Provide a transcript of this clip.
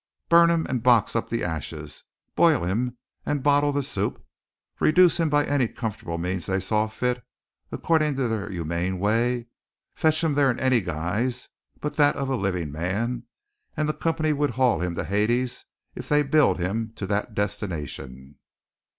Burn him and box up the ashes, boil him and bottle the soup; reduce him by any comfortable means they saw fit, according to their humane way, fetch him there in any guise but that of a living man, and the company would haul him to Hades if they billed him to that destination.